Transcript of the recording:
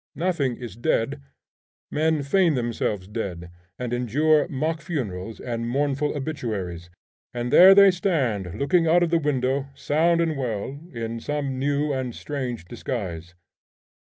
Nothing is dead: men feign themselves dead, and endure mock funerals and mournful obituaries, and there they stand looking out of the window, sound and well, in some new and strange disguise.